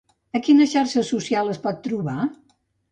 A quina xarxa social es pot trobar?